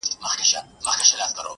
د شداد او د توبې یې سره څه,